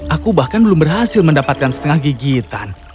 aku bahkan belum berhasil mendapatkan setengah gigitan